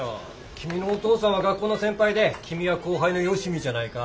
君のお父さんは学校の先輩で君は後輩のよしみじゃないか。